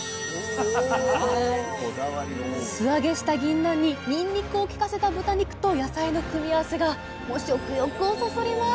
素揚げしたぎんなんににんにくをきかせた豚肉と野菜の組み合わせがもう食欲をそそります。